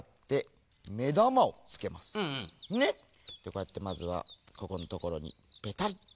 こうやってまずはここんところにペタリね。